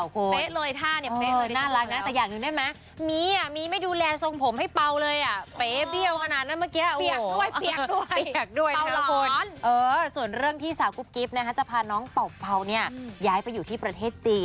คงเห็นพี่เอส